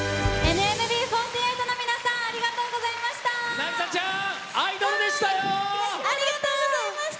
ＮＭＢ４８の皆さんありがとうございました。